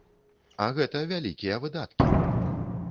А гэта вялікія выдаткі.